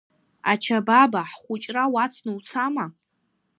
Ачабаба, ҳхәыҷра уацны уцама?